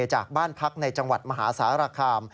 จากบ้านพักในจังหวัดมหาสารคาม